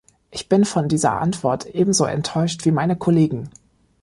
Ich bin von dieser Antwort ebenso enttäuscht wie meine Kollegen.